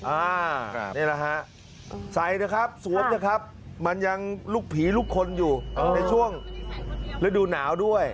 อ่านี่แหละฮะใส่นะครับสวมเถอะครับมันยังลูกผีลูกคนอยู่ในช่วงฤดูหนาวด้วย